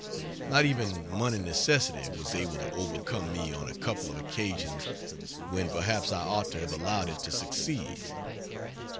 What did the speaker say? Not even money necessity was able to overcome me on a couple of occasions when perhaps I ought to have allowed it to succeed.